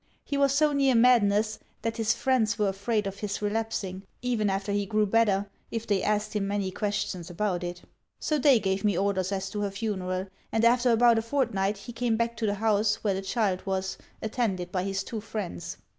He was so near madness, that his friends were afraid of his relapsing, even after he grew better, if they asked him many questions about it. So they gave me orders as to her funeral; and after about a fortnight he came back to the house where the child was, attended by his two friends.